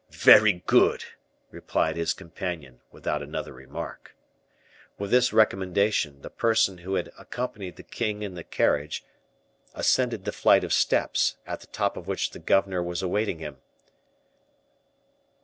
"Very good," replied his companion, without another remark. With this recommendation, the person who had accompanied the king in the carriage ascended the flight of steps, at the top of which the governor was awaiting him.